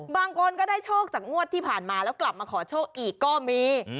บางคนก็ได้โชคจากงวดที่ผ่านมาแล้วกลับมาขอโชคอีกก็มี